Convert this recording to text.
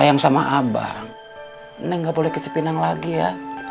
kalau neng sayang sama abang neng gak boleh kecipin neng lagi ya